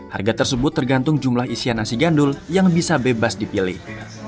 harga tersebut tergantung jumlah isian nasi gandul yang bisa bebas dipilih